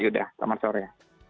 yaudah tamat sore